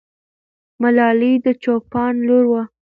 ملالۍ د چوپان لور وه.